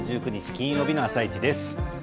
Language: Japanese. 金曜日の「あさイチ」です。